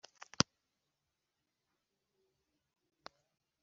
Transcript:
Ibyo Yehova yarabidukinze